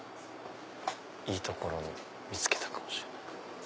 いい所見つけたかもしれない。